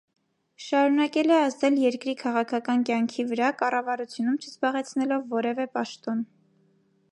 Շարունակել է ազդել երկրի քաղաքական կյանքի վրա՝ կառավարությունում չզբաղեցնելով որևէ պաշտոն։